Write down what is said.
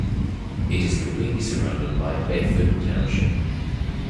It is completely surrounded by Bedford Township.